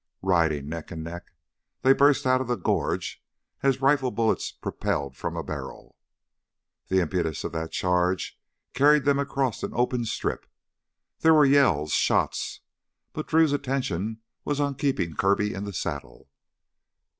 Riding neck and neck, they burst out of the gorge as rifle bullets propelled from a barrel. The impetus of that charge carried them across an open strip. There were yells ... shots.... But Drew's attention was on keeping Kirby in the saddle.